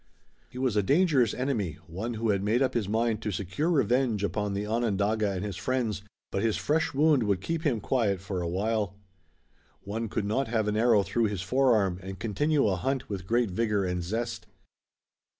He was a dangerous enemy, one who had made up his mind to secure revenge upon the Onondaga and his friends, but his fresh wound would keep him quiet for a while. One could not have an arrow through his forearm and continue a hunt with great vigor and zest.